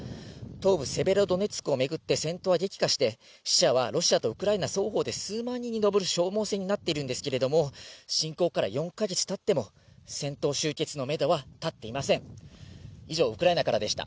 東部セベロドネツクを巡って戦闘は激化して、死者はロシアとウクライナ双方で数万人に上る消耗戦になっているんですけれども、侵攻から４か月たっても戦闘終結のメドは立っていません。